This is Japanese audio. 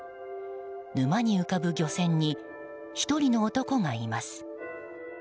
沼に浮かぶ漁船に１人の男がいます。